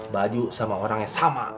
baju sama orangnya sama